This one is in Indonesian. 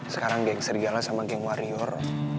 sekarang geng sergala sama geng warior